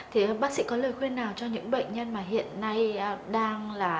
thì bác sĩ có lời khuyên nào cho những bệnh nhân mà hiện nay đang là